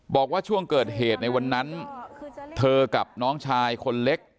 บอกว่าช่วงเกิดเหตุในวันนั้นเธอกับน้องชายคนเล็ก